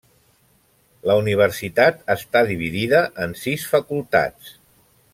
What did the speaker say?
La universitat està dividida en sis facultats.